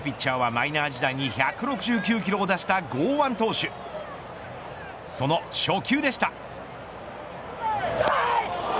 マイナー時代に１６９キロを出した剛腕投手その初球でした。